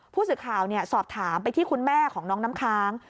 ผู้สื่อข่าวสอบถามไปที่คุณแม่ของน้องน้ำค้าง